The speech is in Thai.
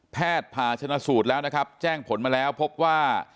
ผ่าชนะสูตรแล้วนะครับแจ้งผลมาแล้วพบว่า